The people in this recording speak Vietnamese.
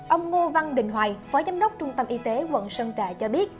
ông ngô văn đình hoài phó giám đốc trung tâm y tế quận sơn trà cho biết